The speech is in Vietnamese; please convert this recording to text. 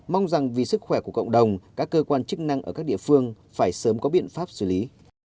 mong rằng vì sức khỏe của cộng đồng các cơ quan chức năng ở các địa phương phải sớm có biện pháp xử lý